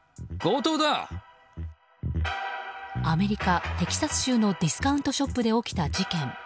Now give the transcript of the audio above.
アメリカ・テキサス州のディスカウントショップで起きた事件。